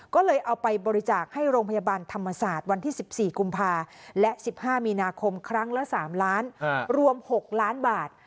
ก็เลยเอาไปบริจาคให้โรงพยาบาลธรรมศาสตร์วันที่๑๔กุมภาและ๑๕มีนาคมครั้งละ๓ล้านรวม๖ล้านบาท